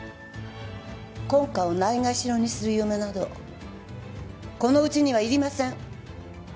婚家をないがしろにする嫁などこのうちにはいりません。